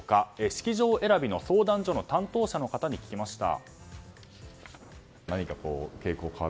式場選びの相談所の担当者の方に聞きました。